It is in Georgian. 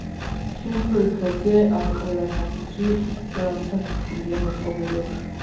შესასვლელის ღერძზე ყველა სართულში სათოფურია მოწყობილი.